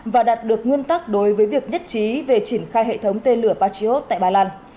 và đạt được nguyên tắc đối với việc nhất trí về triển khai hệ thống tên lửa patriot tại ba lan